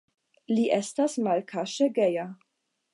Li estas malkaŝe geja.